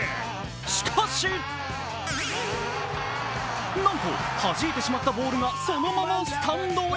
しかし、なんとはじいてしまったボールがそのままスタンドへ。